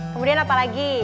kemudian apa lagi